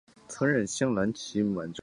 曾任镶蓝旗满洲副都统。